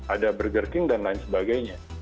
ada burger king dan lain sebagainya